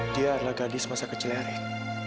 dia adalah gadis masa kecil erik